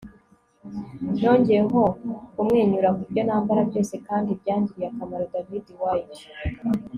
nongeyeho kumwenyura ku byo nambara byose kandi byangiriye akamaro. - david white